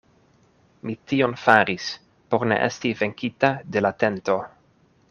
Mi tion faris, por ne esti venkita de la tento.